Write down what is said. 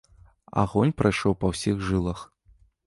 Агонь прайшоў па ўсіх жылах.